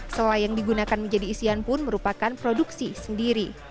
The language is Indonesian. selai yang digunakan menjadi isian pun merupakan produksi sendiri